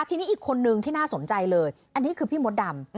ทีนี้อีกคนนึงที่น่าสนใจเลยอันนี้คือพี่มดดำ